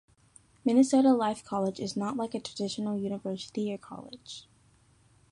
Minnesota Life College is not like a traditional University or College.